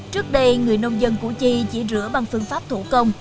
trước đây người nông dân củ chi chỉ rửa bằng phương pháp thủ công